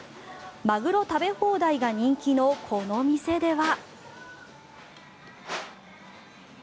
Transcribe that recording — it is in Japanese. マグロ食べ放題が人気のこの店では。